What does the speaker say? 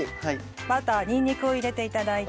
バターにんにくを入れて頂いて。